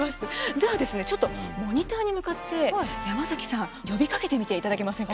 ではですねちょっとモニターに向かって山崎さん呼びかけてみていただけませんか。